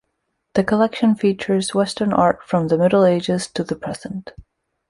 The collection features Western art from the Middle Ages to the present.